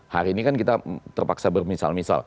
hari ini kan kita terpaksa bermisal misal